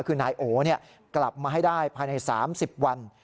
คือนายโอกลับมาให้ได้ภายใน๓๐วัน